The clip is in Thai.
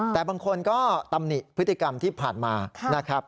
แต่บางคนก็ตำหนิพฤติกรรมที่ผ่านมานะครับ